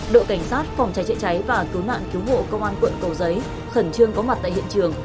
đội cảnh sát phòng cháy chữa cháy và cứu nạn cứu hộ công an quận cầu giấy khẩn trương có mặt tại hiện trường